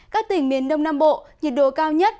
các tỉnh miền đông nam bộ nhiệt độ cao nhất